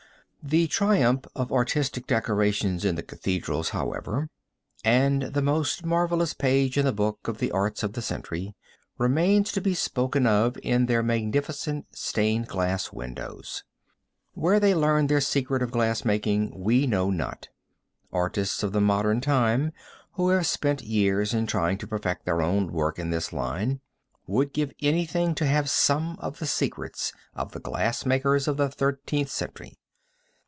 The triumph of artistic decoration in the cathedrals, however, and the most marvelous page in the book of the Arts of the century, remains to be spoken of in their magnificent stained glass windows. Where they learned their secret of glass making we know not. Artists of the modern time, who have spent years in trying to perfect their own work in this line, would give anything to have some of the secrets of the glass makers of the Thirteenth Century.